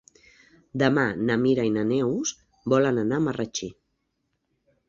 Demà na Mira i na Neus volen anar a Marratxí.